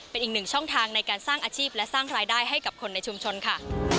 เป็นอีกหนึ่งช่องทางในการสร้างอาชีพและสร้างรายได้ให้กับคนในชุมชนค่ะ